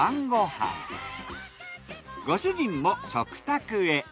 ご主人も食卓へ。